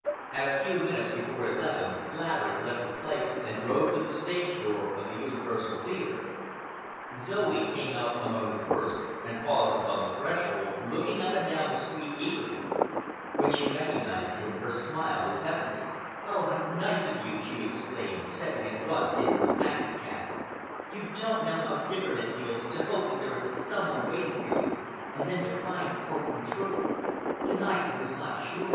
At a few minutes before eleven Laverick left the place and drove to the stage door of the Universal Theatre. Zoe came out among the first and paused upon the threshold, looking up and down the street eagerly. When she recognized him, her smile was heavenly. "Oh, how nice of you!" she exclaimed, stepping at once into his taxicab. "You don't know how different it feels to hope that there is some one waiting for you and then to find your hope come true. To night I was not sure.